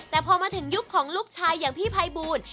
แต่พอมาถึงยุคของลูกชายอย่างพี่ภัยบูล